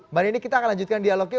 mbak nini kita akan lanjutkan dialognya